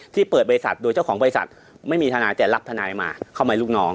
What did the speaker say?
เปิดบริษัทโดยเจ้าของบริษัทไม่มีทนายจะรับทนายมาเข้ามาลูกน้อง